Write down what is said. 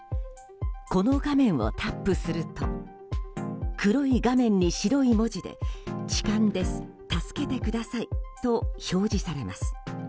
この画面をタップすると黒い画面に白い文字で「痴漢です助けてください」と表示されます。